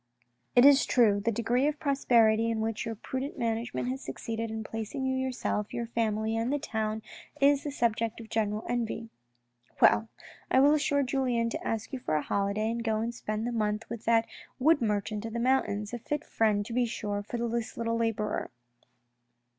" It is true, the degree of prosperity in which your prudent management has succeeded in placing you yourself, your family and the town is the subject of general envy. ... Well, I will urge Julien to ask you for a holiday to go and spend the month with that wood merchant of the mountains, a fit friend to be sure for this little labourer."